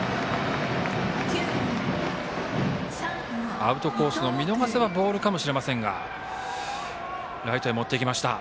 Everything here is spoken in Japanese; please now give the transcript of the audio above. アウトコースの見逃せばボールかもしれませんがライトへ持っていきました。